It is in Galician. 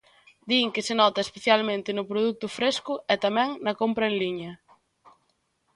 Din que se nota especialmente no produto fresco e tamén na compra en liña.